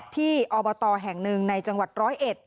อบตแห่งหนึ่งในจังหวัดร้อยเอ็ด